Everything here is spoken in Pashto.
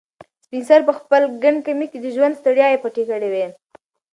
سپین سرې په خپل ګڼ کمیس کې د ژوند ستړیاوې پټې کړې وې.